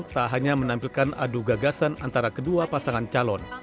tak hanya menampilkan adu gagasan antara kedua pasangan calon